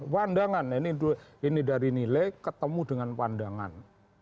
pandangan ini dari nilai ketemu dengan pandangan